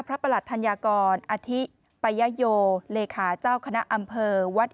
ประหลัดธัญญากรอธิปัยโยเลขาเจ้าคณะอำเภอวัด